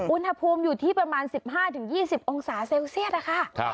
อุณหภูมิอยู่ที่ประมาณ๑๕๒๐องศาเซลเซียสนะคะ